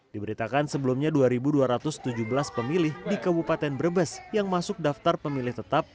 diberitakan sebelumnya dua dua ratus tujuh belas pemilih di kabupaten brebes yang masuk daftar pemilih tetap